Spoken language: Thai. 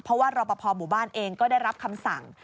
เพราะว่าราวประพอบอบบ้านเองก็ได้รับคำสั่ง